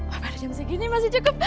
oh pada jam segini masih cukup